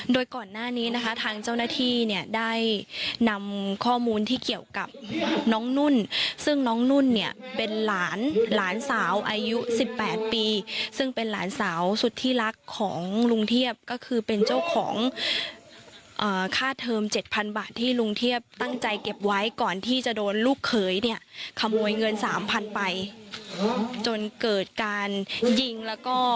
โดยก่อนหน้านี้นะคะทางเจ้าหน้าที่เนี่ยได้นำข้อมูลที่เกี่ยวกับน้องนุ่นซึ่งน้องนุ่นเนี่ยเป็นหลานหลานสาวอายุ๑๘ปีซึ่งเป็นหลานสาวสุดที่รักของรุ่งเทียบก็คือเป็นเจ้าของค่าเทอม๗๐๐๐บาทที่รุ่งเทียบตั้งใจเก็บไว้ที่รุ่งเทียบตั้งใจเก็บไว้ที่รุ่งเทียบตั้งใจเก็บไว้ที่รุ่งเท